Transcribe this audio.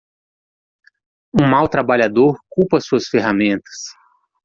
Um mau trabalhador culpa suas ferramentas.